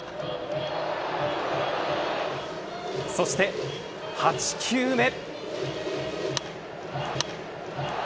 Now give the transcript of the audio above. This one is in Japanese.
そして８球目。